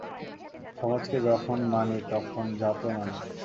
সমাজকে যখন মানি তখন জাতও মানি।